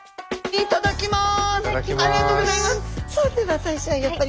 いただきます。